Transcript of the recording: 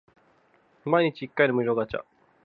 毎日一回の無料ガチャ